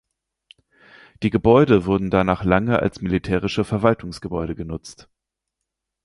Die Gebäude wurden danach lange als militärische Verwaltungsgebäude genutzt.